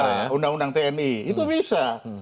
undang undang tni itu bisa